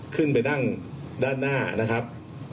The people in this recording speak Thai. ขึ้นไปนั่งด้านหน้านะครับ